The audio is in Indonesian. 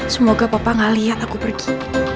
semoga papa gak lihat aku pergi